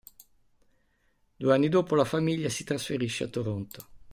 Due anni dopo la famiglia si trasferisce a Toronto.